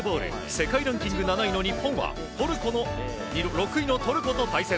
世界ランキング７位の日本は６位のトルコと対戦。